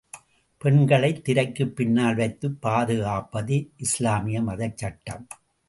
பெண்களைத் திரைக்குப் பின்னால் வைத்துப் பாதுகாப்பது இஸ்லாமிய மதச்சட்டம்.